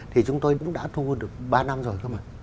thì chúng tôi cũng đã thu được ba năm rồi